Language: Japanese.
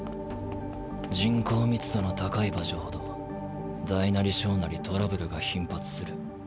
人口密度の高い場所ほど大なり小なりトラブルが頻発する。